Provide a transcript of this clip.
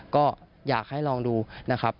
ก็อยากให้ลองดูนะครับ